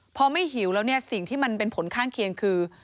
พอไม่หิวแล้วเนี่ยสิ่งที่มันเป็นผลข้างเคียงคือ